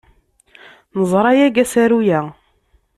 Neẓra yagi asaru-a.